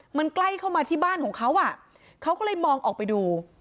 มันใกล้เข้ามาที่บ้านของเขาอ่ะเขาก็เลยมองออกไปดู